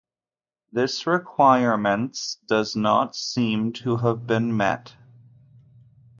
This requirements does not seem to have been met.